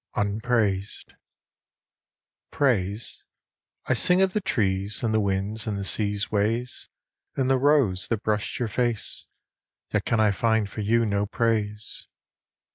Unpraised PRAISE ? 1 I sing of the trees And the wind's and the sea's ways And the rose that brushed your face, Yet can I find for you No praise.